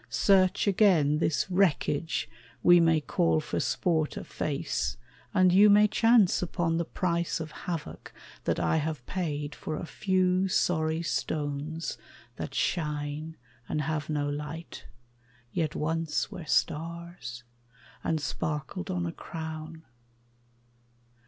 Search again This wreckage we may call for sport a face, And you may chance upon the price of havoc That I have paid for a few sorry stones That shine and have no light yet once were stars, And sparkled on a crown.